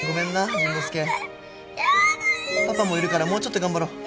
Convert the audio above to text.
パパもいるからもうちょっと頑張ろう。